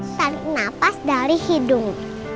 tarik nafas dari hidung